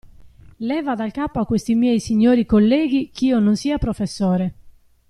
Leva dal capo a questi miei signori colleghi ch'io non sia professore.